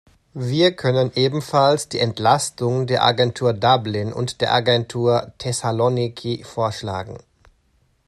Wir können ebenfalls die Entlastung der Agentur Dublin und der Agentur Thessaloniki vorschlagen.